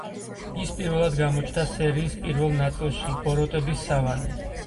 ის პირველად გამოჩნდა სერიის პირველ ნაწილში „ბოროტების სავანე“.